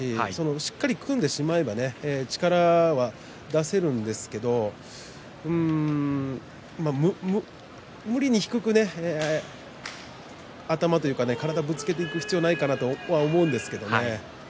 しっかり組んでしまえば力は出せるんですけれども無理に低く、頭というか体でぶつかっていく必要はないと思うんですけれどね。